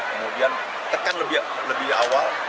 kemudian tekan lebih awal